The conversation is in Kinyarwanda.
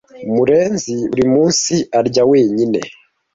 Murenzi buri munsi arya wenyine.